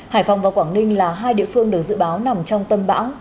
hải phòng và quảng ninh là hai địa phương được dự báo nằm trong tâm bão